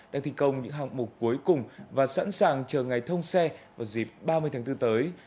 đang thi công những hạng mục cuối cùng và sẵn sàng chờ ngày thông xe vào dịp ba mươi tháng bốn tới